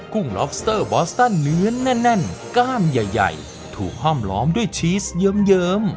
ุ้งล็อบสเตอร์บอสตันเนื้อแน่นก้านใหญ่ถูกห้อมล้อมด้วยชีสเยิ้ม